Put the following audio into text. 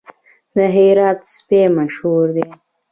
د هرات سپي مشهور دي